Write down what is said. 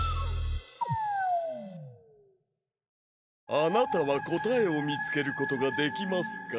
あなたは答えを見つけることができますか？